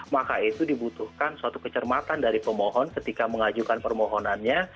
maka itu dibutuhkan suatu kecermatan dari pemohon ketika mengajukan permohonannya